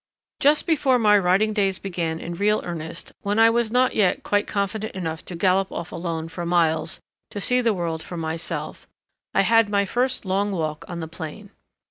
Just before my riding days began in real earnest, when I was not yet quite confident enough to gallop off alone for miles to see the world for myself, I had my first long walk on the plain.